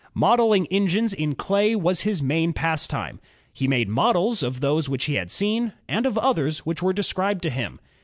Modeling engines in clay was his main pastime. He made models of those which he had seen, and of others which were described to him.